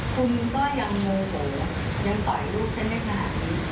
คุณก็ยังโมโหยังต่อยลูกฉันได้ขนาดนี้